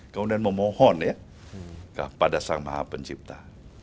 kemudian memohon ya kepada sang maha pencipta